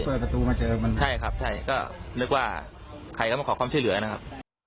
เปิดประตูมาเจอมันใช่ครับใช่ก็นึกว่าใครก็มาขอความช่วยเหลือนะครับ